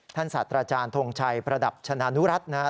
ศาสตราจารย์ทงชัยประดับชนะนุรัตินะครับ